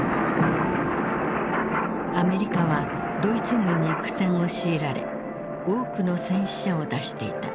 アメリカはドイツ軍に苦戦を強いられ多くの戦死者を出していた。